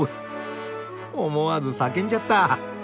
思わず叫んじゃった！